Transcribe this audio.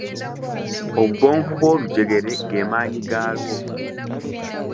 Obugonvu bw'olujegere ge maanyi gaalwo.